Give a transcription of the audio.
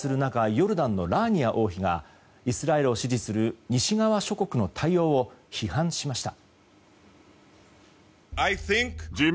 ヨルダンのラーニア王妃がイスラエルを支持する西側諸国の対応を批判しました。